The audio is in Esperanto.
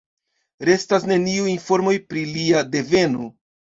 Restas neniuj informoj pri lia deveno.